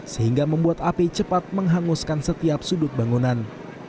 sehingga membuat api cepat menghanguskan setiap sudut bangunan